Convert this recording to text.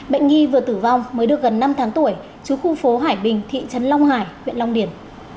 bệnh nhi vừa tử vong mới được gần năm tháng tuổi chú khu phố hải bình thị trấn long hải huyện long điền